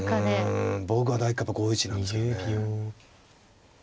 うん僕は第一感やっぱ５一なんですけどね。